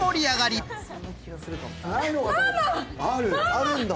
あるんだ！